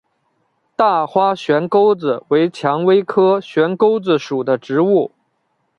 大花悬钩子为蔷薇科悬钩子属的植物。